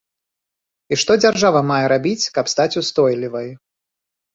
І што дзяржава мае рабіць, каб стаць устойлівай?